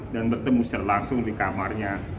dan bertemu secara langsung di kamarnya